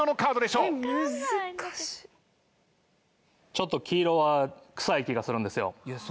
ちょっと黄色はくさい気がするんですよ。